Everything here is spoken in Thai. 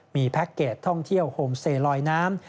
มีแพ็คเกจท่องเที่ยวโฮมเซลอยน้ำ